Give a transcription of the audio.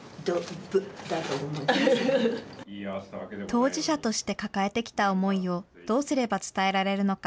当事者として抱えてきた思いをどうすれば伝えられるのか。